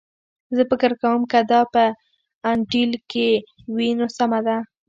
زه فکر کوم که دا په انټیل کې وي نو سمه ده